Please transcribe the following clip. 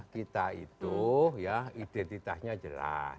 kita itu ya identitasnya jelas